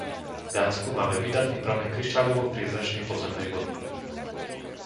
V Dánsku máme výdatný prameň krištáľovo priezračnej podzemnej vody.